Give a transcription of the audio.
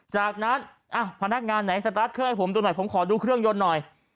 จากนั้นพนักงานไหนสตาร์ทเครื่องให้ผมดูหน่อยผมขอดูเครื่องยนต์หน่อย